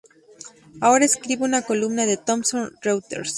Ahora escribe una columna en Thomson Reuters.